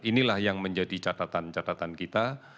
inilah yang menjadi catatan catatan kita